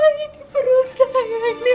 ini perut saya ini anak sunan